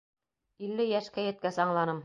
Илле йәшкә еткәс аңланым.